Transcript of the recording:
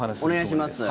お願いします。